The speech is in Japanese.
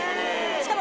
しかも。